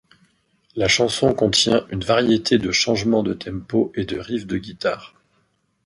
La chanson contient une variété de changements de tempo et de riffs de guitare.